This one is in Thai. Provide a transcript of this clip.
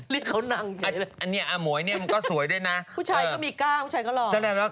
ฤทธิ์เขานั่งเจ๊เลยอันเนี่ยอาหมวยเนี่ยมันก็สวยด้วยนะภูชายก็มีก้าภูชายก็หล่อ